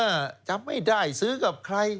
จำไม่ได้ซื้อกับใคร